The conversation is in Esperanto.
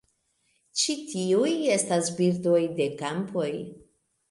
Ĉi tiuj estas birdoj de kampoj.